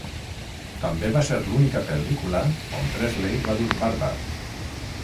També va ser l'única pel·lícula on Presley va dur barba.